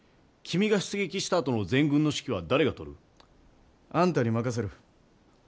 君が出撃したあとの全軍の指揮は誰がとる？あんたに任せる。